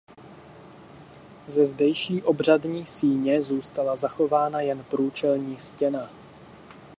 Ze zdejší obřadní síně zůstala zachována jen průčelní stěna.